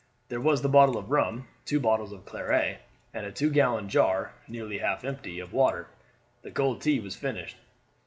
There was the bottle of rum, two bottles of claret, and a two gallon jar, nearly half empty, of water. The cold tea was finished.